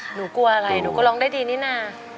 หนูกลัวอะไรหนูก็ร้องได้ดีนี่นะ